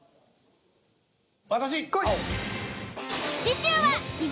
私こい！